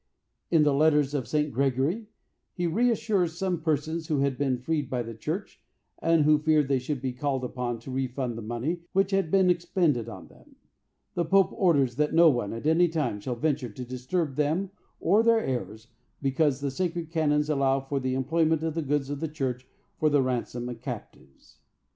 In the letters of St. Gregory, he reässures some persons who had been freed by the church, and who feared that they should be called upon to refund the money which had been expended on them. The Pope orders that no one, at any time, shall venture to disturb them or their heirs, because the sacred canons allow the employment of the goods of the church for the ransom of captives.